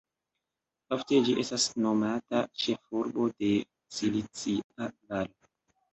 Ofte ĝi estas nomata "ĉefurbo de Silicia Valo.